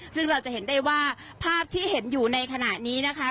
ซึ่งเราจะเห็นได้ว่าภาพที่เห็นอยู่ในขณะนี้นะคะ